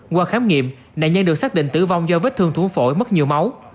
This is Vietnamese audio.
qua khám nghiệm nạn nhân được xác định tử vong do vết thương thú phổi mất nhiều máu